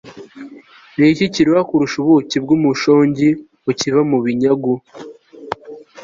niki kirura kurusha ubuki bw'umushongi bukiva mu binyagu